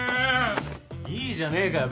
いいじゃねえかよ